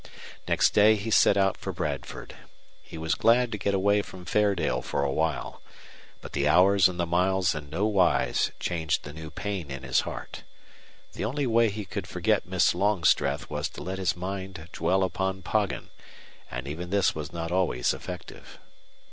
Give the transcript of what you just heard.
Next day he set out for Bradford. He was glad to get away from Fairdale for a while. But the hours and the miles in no wise changed the new pain in his heart. The only way he could forget Miss Longstreth was to let his mind dwell upon Poggin, and even this was not always effective.